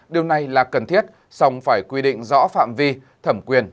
điều này là cần thiết xong phải quy định rõ phạm vi thẩm quyền